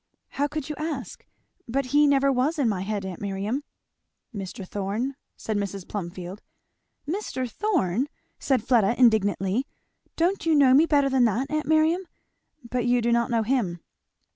"How could you ask? But he never was in my head, aunt Miriam." "Mr. Thorn?" said Mrs. Plumfield. "Mr. Thorn!" said Fleda indignantly. "Don't you know me better than that, aunt Miriam? But you do not know him."